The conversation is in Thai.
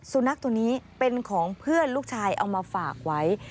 สุนัขตัวนี้เป็นของเพื่อนลูกชายเอามาฝากไว้